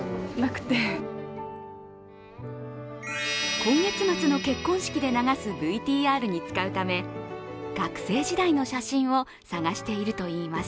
今月末の結婚式で流すＶＴＲに使うため、学生時代の写真を探しているといいます。